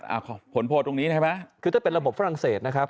อ่าผลโพลตรงนี้ใช่ไหมคือถ้าเป็นระบบฝรั่งเศสนะครับ